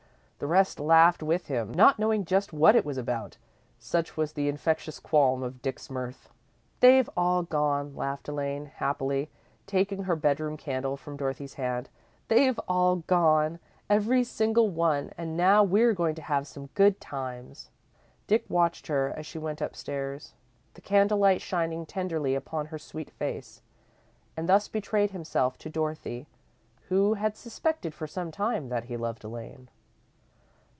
The rest laughed with him, not knowing just what it was about, such was the infectious quality of Dick's mirth. "They've all gone," laughed Elaine, happily, taking her bedroom candle from Dorothy's hand, "they've all gone, every single one, and now we're going to have some good times." Dick watched her as she went upstairs, the candlelight shining tenderly upon her sweet face, and thus betrayed himself to Dorothy, who had suspected for some time that he loved Elaine.